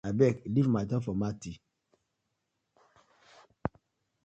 Abeg leave mata for Mathi.